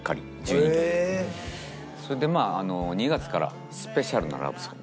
それでまあ２月からスペシャルなラブソング